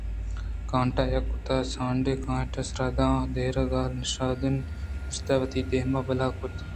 کانٹ یک کُتّ ئے سانڈے ءِ کانٹ ءِ سرا داں دیراں گل ءُ شادان نشت ءُ وتی دمے بالا کُت